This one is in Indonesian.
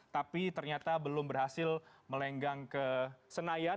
tapi ternyata belum berhasil melenggang ke senayan